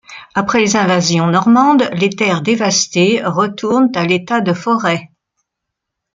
Après les invasions normandes, les terres dévastées retournent à l'état de forêts.